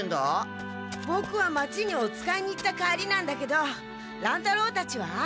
ボクは町におつかいに行った帰りなんだけど乱太郎たちは？